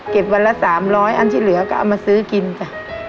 เก็บวันละสามร้อยอันที่เหลือก็เอามาซื้อกินจ้ะ